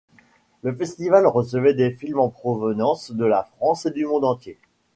Le festival recevait des films en provenance de la France et du monde entier.